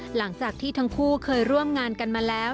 หลังจากที่ทั้งคู่เคยร่วมงานกันมาแล้ว